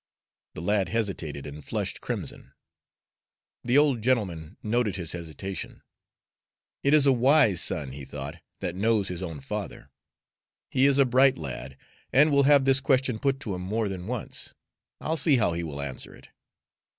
The lad hesitated, and flushed crimson. The old gentleman noted his hesitation. "It is a wise son," he thought, "that knows his own father. He is a bright lad, and will have this question put to him more than once. I'll see how he will answer it."